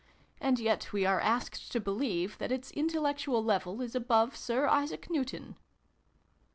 And yet we are asked to believe that its intellectual level is above Sir Isaac Newton